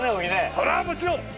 それはもちろん！